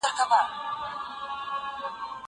زه مخکي سينه سپين کړی و!؟